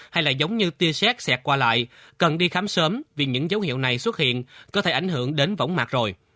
hay là giống như tia xét xẹt qua lại cần đi khám sớm vì những dấu hiệu này xuất hiện có thể ảnh hưởng đến vỏng mặt rồi